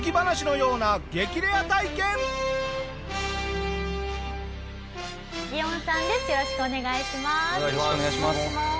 よろしくお願いします。